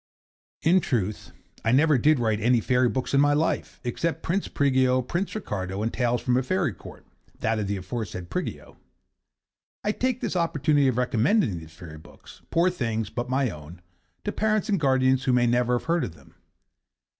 In truth I never did write any fairy books in my life, except 'Prince Prigio,' 'Prince Ricardo,' and 'Tales from a Fairy Court' that of the aforesaid Prigio. I take this opportunity of recommending these fairy books poor things, but my own to parents and guardians who may never have heard of them.